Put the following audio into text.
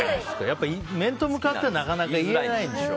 面と向かってはなかなか言えないでしょう。